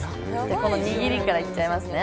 この握りからいっちゃいますね。